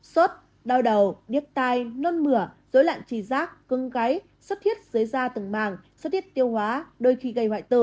sốt đau đầu điếc tai nôn mửa dối lạn trì giác cưng gáy sốt thiết dưới da từng màng sốt thiết tiêu hóa đôi khi gây hoại tử